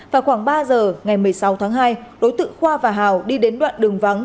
vào khoảng ba giờ ngày một mươi sáu tháng hai đối tượng khoa và hào đi đến đoạn đường vắng